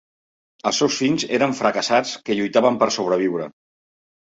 Els seus fills eren fracassats que lluitaven per sobreviure.